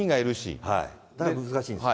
だから難しいんですよ。